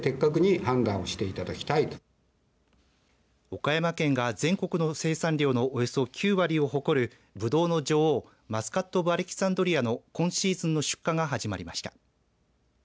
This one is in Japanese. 岡山県が全国の生産量のおよそ９割を誇るぶどうの女王マスカット・オブ・アレキサンドリアの今シーズンの出荷が始まりました。